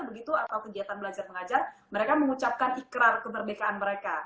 begitu atau kegiatan belajar mengajar mereka mengucapkan ikrar kemerdekaan mereka